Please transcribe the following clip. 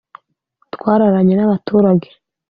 twararanye n’abaturage